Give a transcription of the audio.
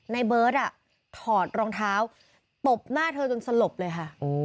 ในเบิร์ตถอดรองเท้าตบหน้าเธอจนสลบเลยค่ะ